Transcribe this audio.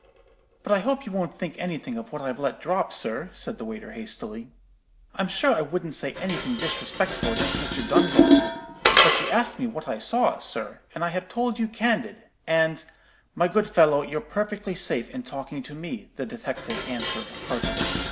"'But I hope you won't think anything of what I've let drop, sir,' said the waiter, hastily. 'I'm sure I wouldn't say any thing disrespectful against Mr. Dunbar; but you asked me what I saw, sir, and I have told you candid, and——' "'My good fellow, you're perfectly safe in talking to me,' the detective answered, heartily.